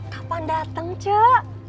kapan datang ustaz